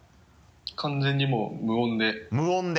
完全にもう無音で。